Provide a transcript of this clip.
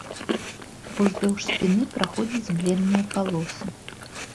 Уздоўж спіны праходзяць бледныя палосы.